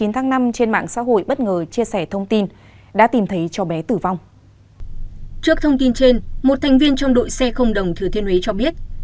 trước thông tin trên một thành viên trong đội xe không đồng thừa thiên huế cho biết